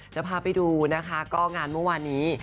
จะพาไปดูงานมุมวันนี้